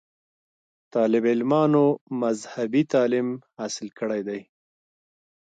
طالب علمانومذهبي تعليم حاصل کړے دے